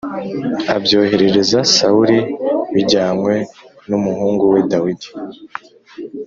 abyoherereza Sawuli bijyanywe n’umuhungu we Dawidi.